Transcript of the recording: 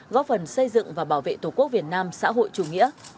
góp phần xây dựng và bảo vệ tổ quốc việt nam xã hội chủ nghĩa